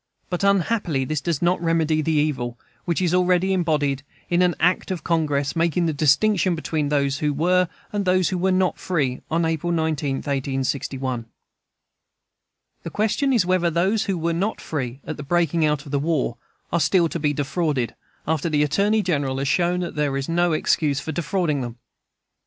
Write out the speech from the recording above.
But unhappily that does not remedy the evil, which is already embodied in an Act of Congress, making the distinction between those who were and those who were not free on April 19, 1861. The question is, whether those who were not free at the breaking out of the war are still to be defrauded, after the Attorney General has shown that there is no excuse for defrauding them?